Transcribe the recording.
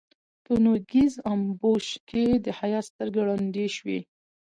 په نوږيز امبوش کې يې د حيا سترګې ړندې شوې.